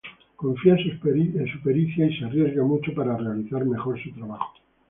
Confía en su pericia y se arriesga mucho para realizar mejor su trabajo.